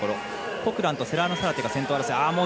コクランとセラーノサラテが先頭争い。